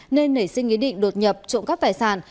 nên nảy sinh ý định đột nhập trộm cắp tài sản